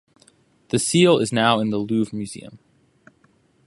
The seal is now in the Louvre Museum.